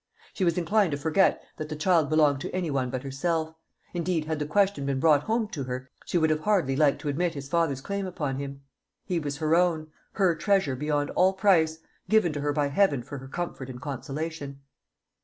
She was inclined to forget that the child belonged to any one but herself; indeed, had the question been brought home to her, she would have hardly liked to admit his father's claim upon him. He was her own her treasure beyond all price given to her by heaven for her comfort and consolation.